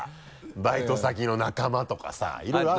バイト先の仲間とかさいろいろある。